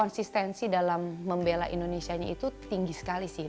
konsistensi dalam membela indonesianya itu tinggi sekali sih